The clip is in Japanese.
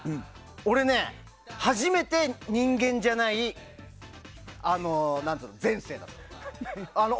俺、初めて人間じゃない前世だったの。